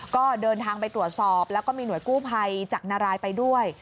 ก็เดินทางไปตรวจสอบแล้วก็มีหน่วยกู้ภัยจากนารายไปด้วย